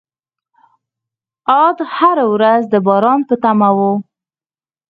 عاد هره ورځ د باران په تمه وو.